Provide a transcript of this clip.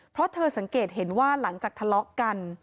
เพราะเธอสังเกตเห็นว่าหลังจากทะเลาะกัน